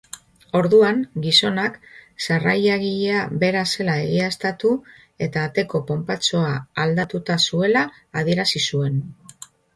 Orduan, gizonak sarrailagileabera zela egiaztatu eta ateko ponpatxoa aldatuta zuela adierazi zuen.